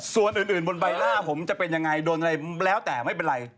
ส่วนอื่นบนใบหน้าผมจะเป็นยังไงโดนอะไรแล้วแต่ไม่เป็นไร